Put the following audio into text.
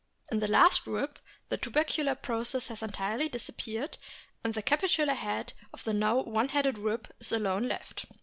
In the last rib the tubercular process has entirely disappeared and the capitular head of the now one headed rib is alone left.